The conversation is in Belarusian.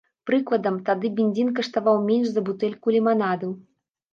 Прыкладам, тады бензін каштаваў менш за бутэльку ліманаду.